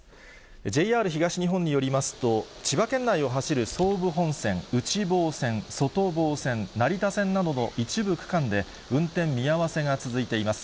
ＪＲ東日本によりますと、千葉県内を走る総武本線、内房線、外房線、成田線などの一部区間で運転見合わせが続いています。